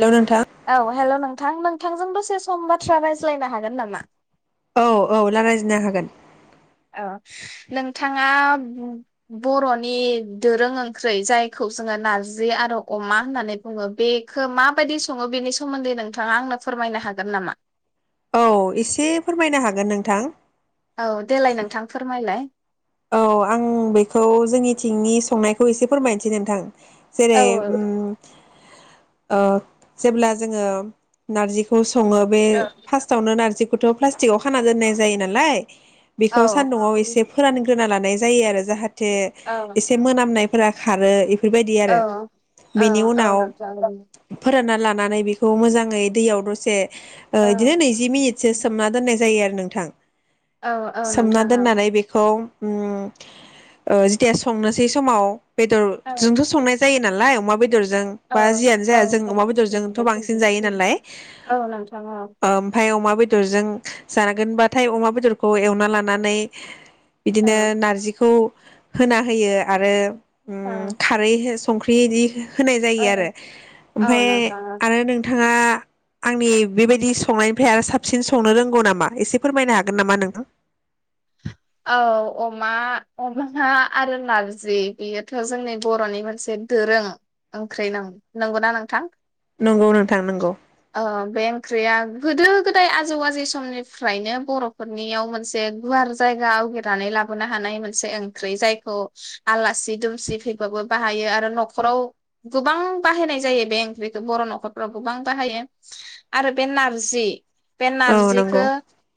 Hello नोंथां औ hello नोंथां नों नोंथांजों दसे सम बाथ्रा रायलायनो हागोन नामा औ औ रायलायनो हागोन औ नोंथाङा बर'नि दोरों ओंख्रि जायखौ जोङो नारजि आरो अमा होननानै बुङो बेखौ माबायदि सङो बेनि सोमोन्दै नोंथाङा आंनो फोरमायनो हागोन नामा औ एसे फोरमायनो हागोन नोंथां औ देलाय नोंथां फोरमायलाय औ आं बेखौ जोंनिथिंनि संनायखौ एसे फोरमायनोसै नोंथां औ जेरै उम ओ जेब्ला जोङो नारजिखौ सङो बे औ फार्स्तावनो नारजि गथ' प्लास्टिकआव खाना दोननाय जायो नालाय बेखौ सान्दुंआव एसे फोरान ग्रोना लानाय जायो आरो जाहाथे थे औ एसे मोनामनाय फोरा खारो बेफोरबायदि औ आरो औ बेनि औ उनाव नोंथां फोरानना ला लानानै बेखौ मोजाङै दैयाव दसे ओ औ बिदिनो नैजि मिनिटसो सोमना दोननाय जायो आरो नोंथां औ औ सोमना नोंथां औ दोननानै बेखौ ओम जेथिया संनोसै समाव बेदर औ जोंथ' संनाय जायो नालाय अमा बेद बेदरजों औ बा जियनो औ जाया जों अमा बेदरजोंथ' बांसिन जायो नालाय औ नोंथां औ ओ ओमफाय अमा बेदरजों जागोनबाथाय अमा बेदरखौ एवना लानानै बिदिनो औ नारजिखौ होना होयो आरो ओ ओम खारै होना सं संख्रि इदि होनाय जायो औ आरो औ ओमफाय नोंथां आरो नोंथाङा आंनि बेबायदि संनायनिफ्राय आरो साबसिन संनो रोंगौ नामा एसे फोरमायनो हागोन नामा नोंथां औ अमा अमा आरो नारजि बेयोथ' जोंनि बर'नि मोनसे दोरों ओंख्रि नं नंगौना नोंथां नंगौ नोंथां नंगौ। अ बे ओंख्रिया ओम गोदो गोदाय आजौ आजै समनिफ्रायनो बर'फोरनियाव मोनसे गुवार जायगा आवगिरनानै लाबोनो हानाय मोनसे ओंख्रि जायखौ आलासि दुमसि फैबाबो बाहायो आरो न'खराव गोबां बाहायनाय जायो बे ओंख्रिखौ बर' न'खरफ्राव गोबां बाहायो आरो बे नारजि बे औ नारजिखो नंगौ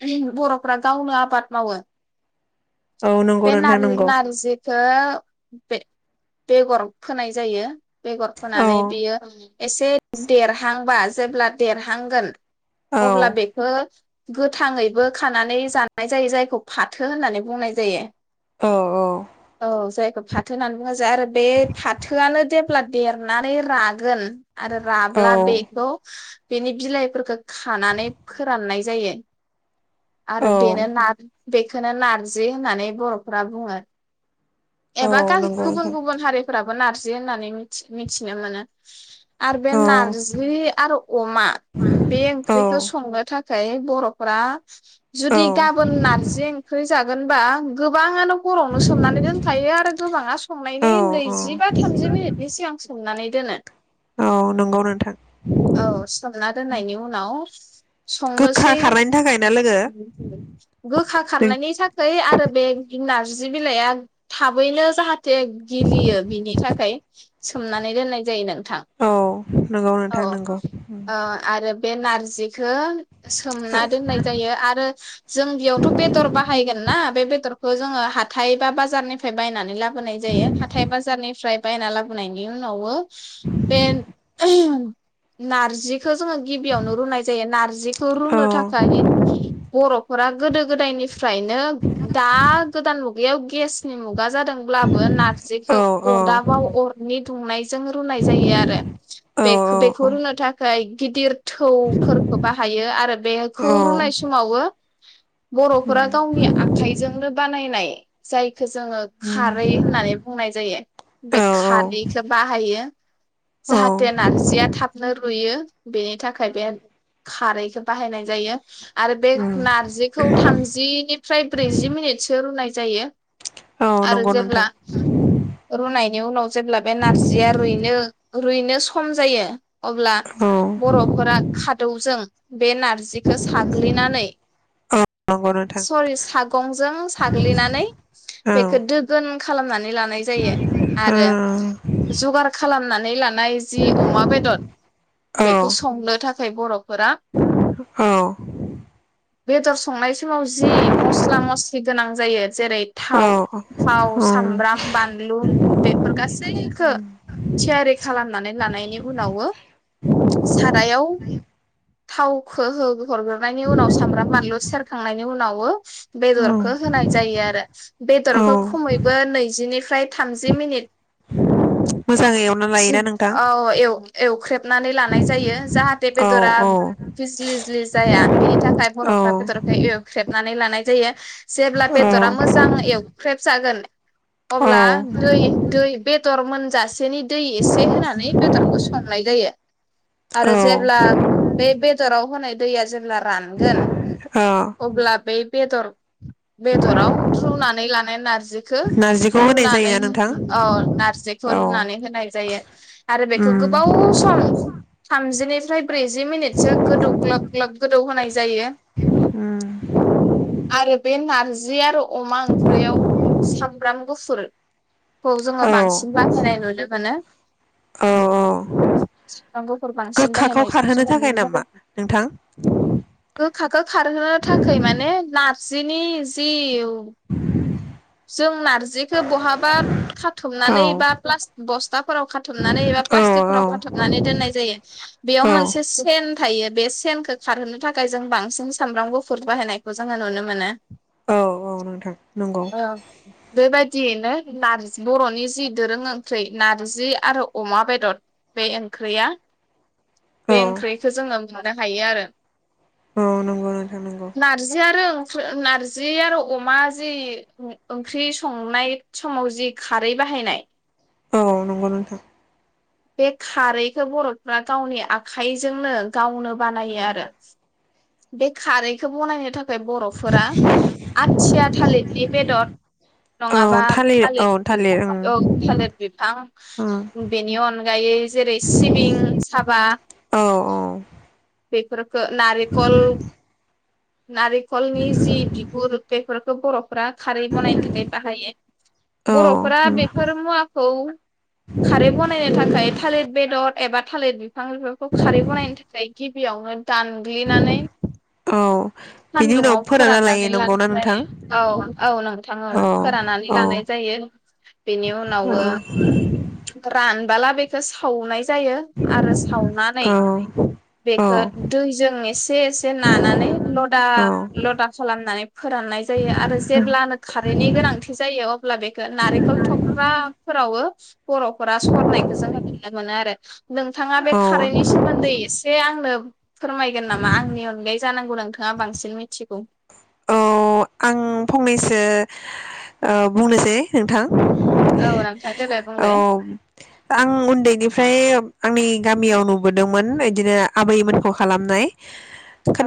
ओं बर'फ्रा गावनो आबाद मावो औ नंगौ बे नोंथां नार नंगौ नारजिखौ बे बेगर फोनाय जायो। बेगर औ फोनानै बियो एसे देरहांबा जेब्ला देरहांगोन औ अब्ला बेखो गोथ थाङैबो खानानै जानाय जायो जायखौ फाथो होननानै बुंनाय जायो। औ औ जाय फाथो होननानै बुङो जाय आरो बे फाथोआनो जेब्ला देरनानै रागोन आरो राब्ला औ बेखौ बेनि बिलाइफोरखो खानानै फोराननाय जायो। औ आरोे बेनो ना बेखोनो नारजि होननानै बर'फ्रा बुङो। औ एबा गान नंगौ गुबुन नोंथां गुबुन हारिफ्रा नारजि होननानै मिथि मिथिनो मोनो। आरो बे औ नारजि आरो अमा बे औ ओंख्रिखौ संनो थाखाय बर'फोरा औ जुदि गाबोन नार ओंख्रि जागोनबा गोबाङानो हरावनो सोमनानै दोनखायो आरो गोबाङा औ संनायनि औ नैजिबा थामजि मिनिटनि सिगां सोमनानै दोनो। अ नंगौ नोंथां। औ सोमना दोननायनि उनाव गोखा संनोसै खारनायनि थाखाय ना लोगो गोखा नों खारनायनि थाखोय आरो बेदि नारजि बिलाइया थाबैनो जाहाथ थे गिलियो बिनि थाखाय सोमनानै दोननाय जायो नों औ नोंगौ नोंथां नोंगौ उम। ओ आरो बे नारजिख खो सोमना दोननाय जायो आरो जों बियाव बाहायगोन ना बे बेद' रखौ जोंङो हाथाय बा बाजारनिफ्राय बायनानै लाब बोनाय जायो हाथाय बाजारनिफ्राय बायना लाबोनायनि उनावबो बे [unintelligible] नारजि खो जोङो गिबियावनो रुनाय जायो नारजिखो रुनो औ थाखाय बर'फोरा गोदो गोदायनिफ्रायनो दा गोदान मुगायाव गेसनि मुगा जादोंब्लाबो औ नारजिखौ औ अरदाबाव अरनि [unintelligible] जों रुनाय जायो आरो औ बे बेखौ रुनो थाखाय गिदिर थौफोरखौ बाहायो आरो बेखौ औ रुनाय समावो बर'फोरा गावनि आखाइजोंनो बानाय [unintelligible] बेखो जोङो खारै होननानै बुंनाय जायो बे खारैखो बाहायो जाहाथे नारजिया थाबनो रु हुयो बेनि थाखाय बे खारै बेखौ बाहायनाय जायो आरो बे नारजि खौ थामजि बेनिफ्राय ब्रैजि मिनिटसो रुनाय जायो औ आरो नंगौ जेब्ला नोंथां रुनाय नि उनाव जेब्ला बे नारजिया रु इनो रुइनो सम जायो अब्ला औ बर'फोरा खादौजों बे नारजिखौ साग्लिनानै औ नंगौ नोंथां सरि साग गंजों साग्लिनानै बेखौ दोगोन खालामनानै लानाय जायो आरो औ जगार खालामनानै लानाय जि अमा बेदर बेखौ संनो थाखाय बर'फोरा बेदर संनाय समाव जि मस्ला मस्लि गोनां जायो जेरै थाव थाव मोजाङै सामब्राम बानलु बेफोर गासैखो थियारि खालामनानै लानायनि उनावो सारायाव थावखौ हो हरग्रोननायनि उनाव सामब्राम बानलु सेर खांनायनि उनावबो बेदरखौ होनाय जायो आरो बेदरखौ खमैबो नैजिनिफ्राय थामजि मिनिट एवना जिब लायोना नोंथां औ एवख्रेबनानै लानाय जायो जाहाथे औ बेदरा औ फिजलिजलि जाया बेनि थाखाय औ बर'फ्रा बेदर थेबनानै लानाय जायो जेब्ला औ बेदरा मोजां एवख्रेब जागोन औ अब्ला दै दै बे दर मोनजासि एसेनि दै एसे होनानै बेदरखौ संनाय जायो औ आरो जेब्ला बे बेदराव होनाय दैया जेब्ला रानगोन औ अब्ला बै बेदर बेदराव रुनानै लानाय नारजि खो नारजिखौ होनाय लुनानै जायोना नोंथां ओ नारजिखौ औ लुनानै होनाय जायो आरो बेखौ उम गोबाव सम थामजिनि फ्राय ब्रैजि मिनिटसो गोदौ ग्लब ग्लब गोदौ होनाय जायो उम आरो बे नार जि आरो अमा ओंख्रियाव सामब्राम गुफुरखौ जोङो औ बांसिन बाहायनाय नुदों। माने औ औ [unintelligible] बांसिन गोखाखौ बाहायनाय खारहोनो थाखाय नामा [unintelligible] नोंथां गोखाखौ खारहोनो थाखै माने नारजिनि जिउ जों नारजि बहाबा औ खाथुमनानै एबा बस्थाफोराव खाथुमनानै एबा औ औ प्लास्टिकफोराव खाथुमनानै दोननाय जायो। बेयाव औ मोनसे सेन थायो बे सेनखौ खारहोनो थाखाय जों बांसिन सामब्राम गुफु गुफुर बाहायनायखौ जोङो नुनो मोनो। औ औ नोंथां नंगौ ओं बेबायदि बिनो नारजि बर'नि जि दोरों ओंख्रि नारजि आरो अमा बेदर बे ओंख्रिया औ बे ओंख्रिखौ जोङो मोननो हायो आरो। औ नंगो। नारजिया रोखोम नारजि आरो अमा जि ओंख्रि संनाय समाव जि खारै बाहायनाय औ नंगौ नोंथां। बे खारैखौ बर'फ्रा गावनि आखाइजोंनो गावनो बानायो आरो। बे खारैखौ बनायनो था खाय बर'फोरा आथिथिया थालिरनि बेदर औ नङाबा औ थालिर बि ओं औ थालिर बिफां ओं बेनि अनगायै जेरै सिबिं साबा औ बेेफोरखो नारि कल नारिखलनि जि बिगुर बेफोरखौ बर'फ्रा खारै बानायनो थाखाय बाहायो। औ बर'फोरा बेफोर मुवा ओ खारै बनायनो थाखाय थालिर बेदर एबा थालिर बिफांफोरखौ खारै बानायनो थाखाय गिबियावनो दानग्लिनानै नै औ बिनि उनाव सानदुंङाव फोरानना लायो फोराननानै लानाय नंगौना नोंथां जायो औ औ नोंथां औ फोराननानै औ लानाय जायो बेनि उनावबो रान बाला बेखौ सावनाय जायो आरो सावनानै औ औ बेखौ दैजों एसे एसे नानानै लदा लदा खालामनानै फोराननाय जायो आरो जेब्लानो खारेन्टनि गोनांथि जायो अब्ला बेखौ नारेंखल थख्राफोरावबो बर'फोरा सरनायखौ जोङो ननो मोनो आरो नोंथाङा बे खारैनि सोमोन्दै एसे आंनो फोरमायगोन नामा आंनि अनगायै जानांगौ नोंथां बांसिन मिथिगौ अ आं फंनैसो ओ बुंनोसै नोंथां औ नोंथां देलाय औ बुंलाय आं उन्दैनिफ्राय आंनि गामियाव नुबोदोंमोन बिदिनो आबैमोनखौ खालामनाय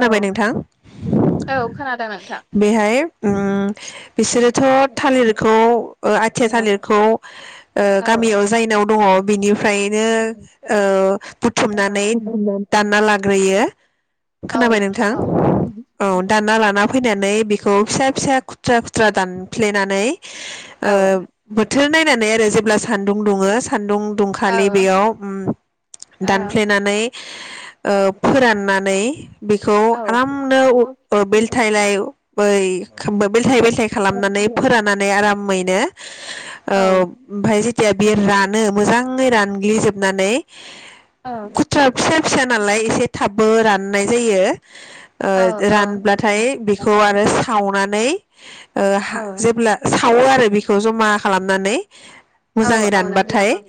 औ नोंथां औ खोनादों नोंथां बेहाय ओम बिसोरोथ' थालिरखौ ओ आथिया औ थालिरखौ औ गामियाव जायनाव दङ बिनिफ्रायनो ओ बुथुमनानै दानना लाग्रोयो खोनाबाय नोंथां औ दानना लाना फैनानै बेखौ फिसा फिसा खुथ्रा खुथ्रा दानफ्लेनानै ओ औ बोद बोथोर नायनानै आरो जेब्ला सान्दुं दुङो सान्दुं दुंखालि औ बेयाव ओ ओम औ दानफ्लेनानै फोराननानै बेखौ औ आरामनो औ बेलथाइलाय बै बेलथाय बेलथाय औ खालामनानै फोरानानै आरामै नो औ ओमफ्राय जिथिया बियो रानो मोजाङै रानग्लिजोबनानै औ गुथा फिसा फिसा नालाय एसे थाब बो राननाय जायो रानब्लाथाय बेखौ आरो सावनानै नै ओ औ जेब्ला सावो आरो बेखौ जमा खालामनानै मोजाङै औ औ नंगौ रानबाथाय नंगौ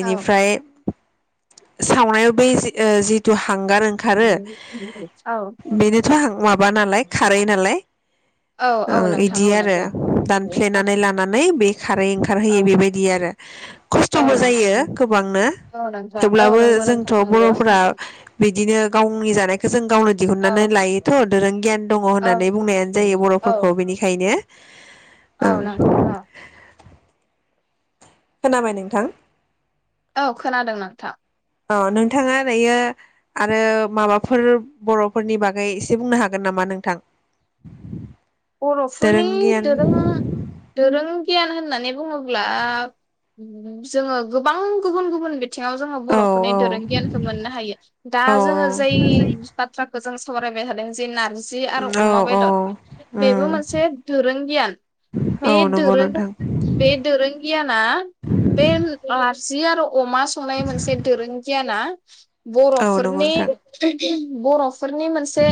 औ इनिफ्राय सावनायाव बे जिथु हांगार ओंखारो औ बेनोथ' माबा नालाय खारै नालाय औ ओ औ नोंथां इदि औ आरो नंगौ औ दानफ्लेनानै लानानै बे खारै औ ओंखारहोयो बेबायदि आरो औ खस्थ'बो नोंथां जायो गोबांनो औ नोंथां औ थेवब्लाबो नंगौ जोंथ' नोंथां नंगौ औ बर'फोरा बिदिनो गावनि जानायखौ जों गावनो औ दिहुननानै लायोथ' दोरों गियान दङ औ होनना नै बुंनाय जायो बर'फोरखौ बेनिखायनो औ ओ नोंथां औ खोनाबाय नोंथां? औ खोनादों नोंथां। औ नोंथाङा दायो आरो माबाफोर बर'फोरनि बागै एसे बुंनो हागोन नामा नोंथां? बर'फोरनि दोरों गियान दोरों दोरों गियान होननानै बुङोब्ला जोङो गोबां गुबुन गुबुन बि थिङाव जोङो औ बर'फोरनि औ दोरों गियानखो मोननो हायो दा औ जोङो जोय औ बाथ्रा जों सावरायबाय थादों जे नारज जि औ आरो अमा औ बेदद उम बेबो मोनसे दोरों गियान औ बे नंगौ दोरों नोंथां बे दोरों गियाना बे अआ हारसि आरौ अमा संनाय मोनसे दोरों गियाना औ नंगौ बर'फोरनि नोंथां बर' फोरनि मोनसे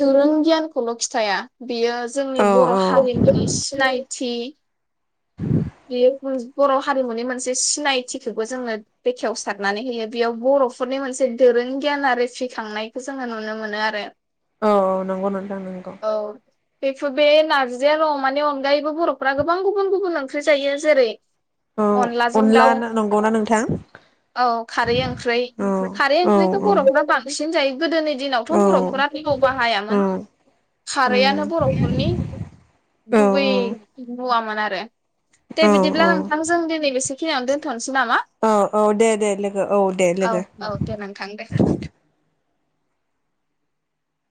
दोरों गियान खौल' खिथाया। बियो जोंनि औ बर' औ हारिमुनि सिनायथि, बियो बुज बर' हारिमुनि मोनसे सिनायथिखोबो जोङो बेखेवसारनानै होयो बेयाव बर'फोरनि मोनसे दोरों गियान आ रिफिखांनायखौ जोङो नुनो मोनो आरो। औ औ नंगौ नोंथां नोंगौ। औ बेफोर बे नारजि आरो अमानि अनगायैबो बर'फ्रा गोबां गुबुन गुबुन ओंख्रि जायो जेरै- औ अनलाजों अनला दाउ नंगौना नोंथां औ खारै ओंख्रै औ खारै औ ओंख्रैखौ औ बर'फोरा बांसिन जायो। गोदोनि दिनावथ' औ बर'फोरा [unintelligible] बाहायामोन उम खा औ रैआनो बर'फोरनि गुबै मुवामोन। आरो दे औ बिदिब्ला नोंथांजों दिनै बेसे खिनि आवनो दोनथ'नस औ औ दे दे लोगो औ दे औ लोगो। औ दे नोंथां दे